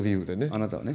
あなたはね。